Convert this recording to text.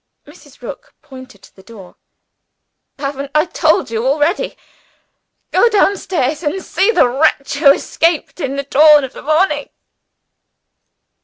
Mrs. Rook pointed to the door. "Haven't I told you already? Go downstairs, and see the wretch who escaped in the dawn of the morning!"